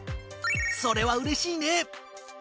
それは嬉しいね！